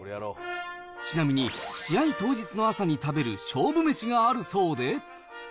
ちなみに、試合当日の朝に食べる勝負メシがあるそうで。